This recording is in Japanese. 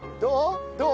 どう？